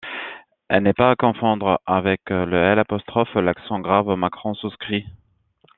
Elle n’est pas à confondre avec le Ì̱, I accent grave macron souscrit.